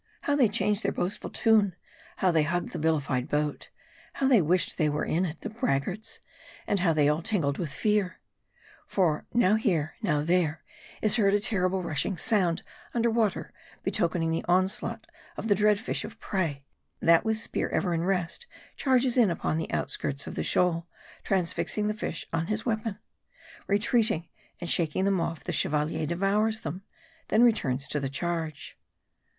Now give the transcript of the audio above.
How they changed their boastful tune ! How they hugged the vilified boat ! How they wished they were in it, the braggarts ! And how they all tingled with fear ! For, now here, now there, is heard a terrific rushing sound under water, betokening the onslaught of the dread fish of prey, that with spear ever in rest, charges in upon the out skirts of the shoal, transfixing the fish on his weapon. Re treating and shaking them off, the Chevalier devours them ; then returns to the charge.